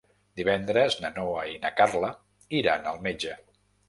Divendres na Noa i na Carla iran al metge.